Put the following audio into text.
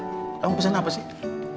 kamu pesen apa sih